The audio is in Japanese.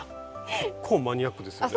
結構マニアックですよね。